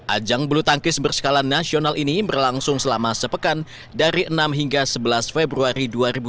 ajang belutangkis berskalan nasional ini berlangsung selama sepekan dari enam hingga sebelas februari dua ribu dua puluh tiga